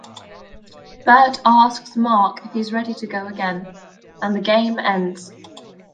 Bert asks Mark if he is ready to go again, and the game ends.